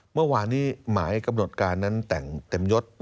เมื่อวานนี้หมายกำหนดการนั้นแต่งเต็มยศ